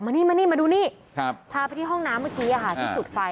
นี่มานี่มาดูนี่พาไปที่ห้องน้ำเมื่อกี้ที่จุดไฟ